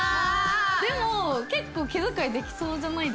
でも結構気遣いできそうじゃないですか？